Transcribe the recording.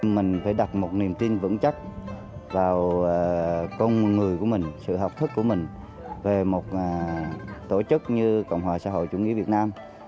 mình phải đặt một niềm tin vững chắc vào con người của mình sự học thức của mình về một tổ chức như cộng hòa xã hội chủ nghĩa việt nam